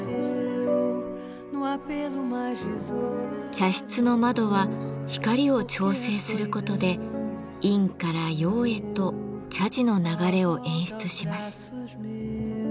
茶室の窓は光を調整することで「陰」から「陽」へと茶事の流れを演出します。